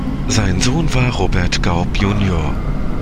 Sein Sohn war Robert Gaupp junior.